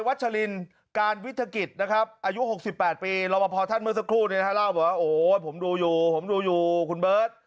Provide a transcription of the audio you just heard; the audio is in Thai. ถ้าเล่าบอกว่าโอ้โหผมดูอยู่ผมดูอยู่คุณเบิร์ต